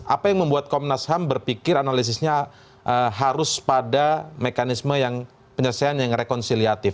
apa yang membuat komnas ham berpikir analisisnya harus pada mekanisme yang penyelesaian yang rekonsiliatif